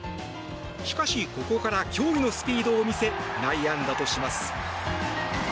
しかし、ここから驚異のスピードを見せ内野安打とします。